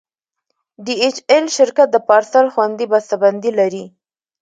ډي ایچ ایل شرکت د پارسل خوندي بسته بندي لري.